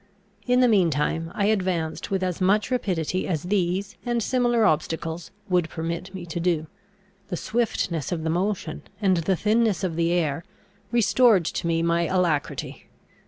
In the mean time I advanced with as much rapidity as these and similar obstacles would permit me to do. The swiftness of the motion, and the thinness of the air, restored to me my alacrity.